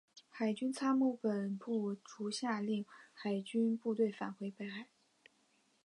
海军参谋本部遂下令海军部队返回北海。